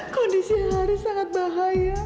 kondisi haris sangat bahaya